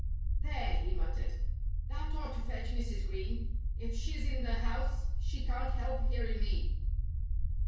"There!" he muttered. "That ought to fetch Mrs. Green. If she's in the house she can't help hearing me."